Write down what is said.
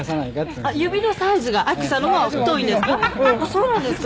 「そうなんですか？」